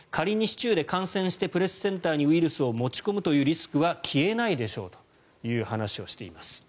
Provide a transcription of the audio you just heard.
市中で感染してプレスセンターにウイルスを持ち込む可能性は消えないでしょうということです。